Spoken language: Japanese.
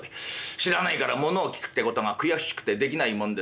知らないからものを聞くってことが悔しくてできないもんですから。